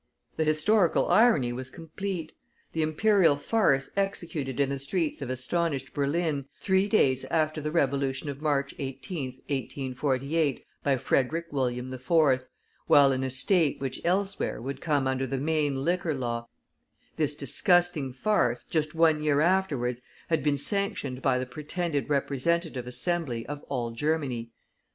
The historical irony was complete; the Imperial farce executed in the streets of astonished Berlin, three days after the Revolution of March 18th, 1848, by Frederick William IV., while in a state which elsewhere would come under the Maine Liquor Law this disgusting farce, just one year afterwards, had been sanctioned by the pretended Representative Assembly of all Germany.